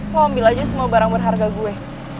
mau ambil aja semua barang berharga gue